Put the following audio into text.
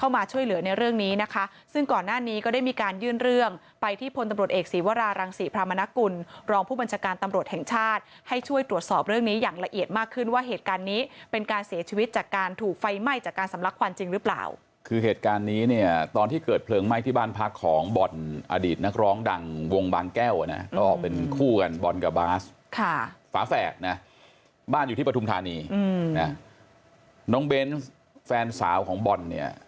พูดถูกตอบเรื่องนี้อย่างละเอียดมากขึ้นว่าเหตุการณ์นี้เป็นการเสียชีวิตจากการถูกไฟไหม้จากการสำลักควันจริงหรือเปล่าคือเหตุการณ์นี้เนี่ยตอนที่เกิดเผลิงไหม้ที่บ้านพักของบ่อนอดีตนักร้องดังวงบางแก้วนะก็เป็นคู่กันบ่อนกับบาสฝาแฝกนะบ้านอยู่ที่ประทุมธานีน้องเบ้นแฟนสาวของบ่อน